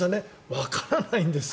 わからないんですよ